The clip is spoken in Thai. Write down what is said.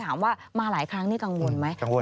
ถามว่ามาหลายครั้งนี่กังวลไหม